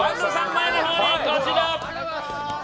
前のほうに、こちら！